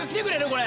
これ。